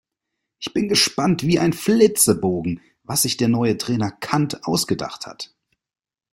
Ich bin gespannt wie ein Flitzebogen, was sich der neue Trainer Kant ausgedacht hat.